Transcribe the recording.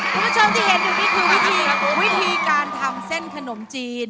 คุณผู้ชมที่เห็นตรงนี้คือวิธีการทำเส้นขนมจีน